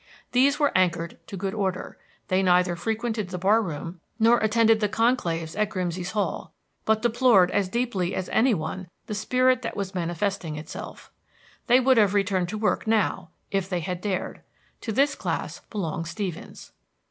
These were anchored to good order; they neither frequented the bar room nor attended the conclaves at Grimsey's Hall, but deplored as deeply as any one the spirit that was manifesting itself. They would have returned to work now if they had dared. To this class belonged Stevens.